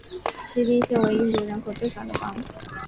锡金现为印度人口最少的邦。